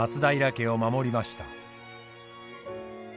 家を守りました。